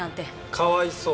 かわいそう？